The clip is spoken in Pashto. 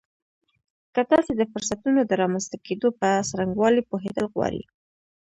که تاسې د فرصتونو د رامنځته کېدو په څرنګوالي پوهېدل غواړئ.